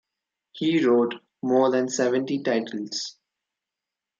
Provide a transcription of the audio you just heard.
He wrote more than seventy titles.